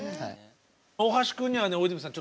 大橋くんにはね大泉さん